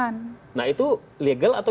nah itu legal atau